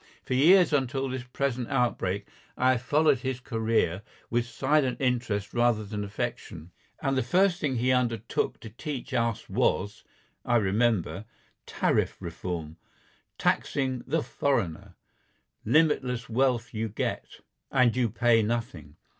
For years until this present outbreak I have followed his career with silent interest rather than affection. And the first thing he undertook to teach us was, I remember, Tariff Reform, "taxing the foreigner." Limitless wealth you get, and you pay nothing.